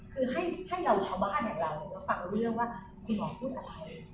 คือให้เราชาวบ้านอย่างเรารับฟังรู้เรื่องว่าคุณหมอพูดอะไร